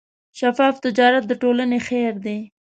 شفاف تجارت د ټولنې خیر دی.